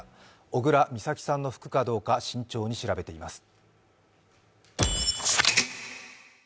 小倉美咲さんの服かどうか慎重に調べています。